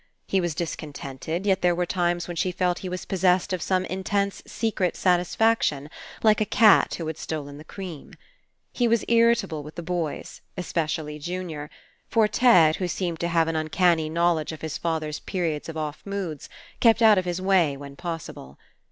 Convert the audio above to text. He was discontented, yet there were times when she felt he was possessed of some intense secret satisfaction, like a cat who had stolen the cream. He was irritable with the boys, espe cially Junior, for Ted, who seemed to have an uncanny knowledge of his father's periods of off moods, kept out of his way when possible.